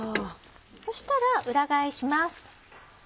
そしたら裏返します。